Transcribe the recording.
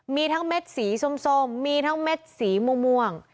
มีทั้งเม็ดสีส้มมีที่สีม่วง